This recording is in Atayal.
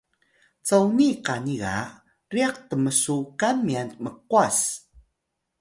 coni qani ga ryax tnmsuqan myan mqwas